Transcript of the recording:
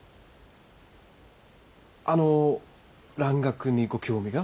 あの蘭学にご興味が？